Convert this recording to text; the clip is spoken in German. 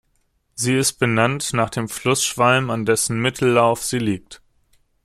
Sie ist benannt nach dem Fluss Schwalm, an dessen Mittellauf sie liegt.